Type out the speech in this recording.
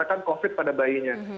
mereka mengatakan covid pada bayinya